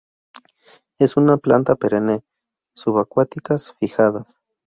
Es una planta perenne, subacuáticas fijadas.